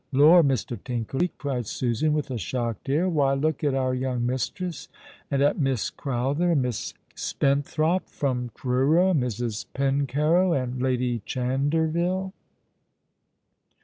"Lor, Mr. Tinkerly," cried Susan, with a shocked air. " Why, look at our young mistress, and at Miss Crowther, and Miss Spenthrop from Truro, and Mrs. Pencarrow, and Lady Chanderville."